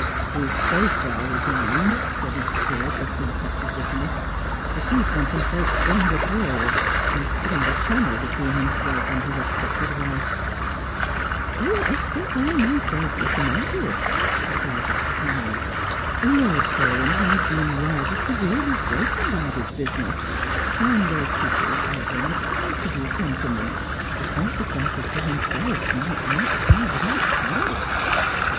_" He is so far resigned," said Mr. Forde with some touch of bitterness, " that he contemplates going abroad, and. putting the Channel between himself and hia afflicted wife." 3G1 Strangers and Pilgrims. "A step I myself recommended," replied Dr. Cameron. " Lord Paulyn has been rather severely shaken by this business, and as he is of an excitable temperament, the consequences to himself might not be without peril."